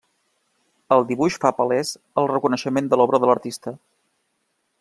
El dibuix fa palès el reconeixement de l'obra de l'artista.